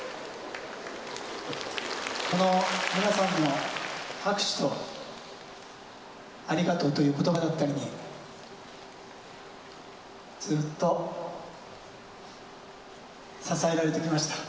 この皆さんの拍手と、ありがとうということばだったりに、ずっと支えられてきました。